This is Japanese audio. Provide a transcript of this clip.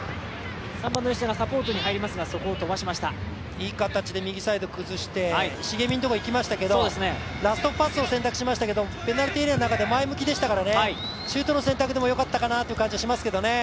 いい形で右サイド崩して重見のところ行きましたがラストパスを選択しましたけど、ペナルティーエリアの中で前向きでしたからね、シュートの選択でもよかったかなという感じがしますけどね。